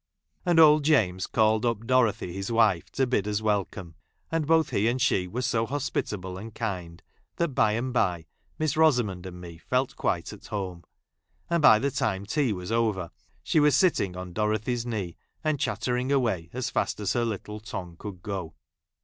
And old James called up Dorothy, his wife, to bid us welcome ; and both he and 1 she were so hospitable and kind, that by and j by Miss Rosamond and me felt quite at home ; i and by the time tea was ovei', she was sitting ' on Dorothy's knee, and chattering away as fast as her little tongue could go.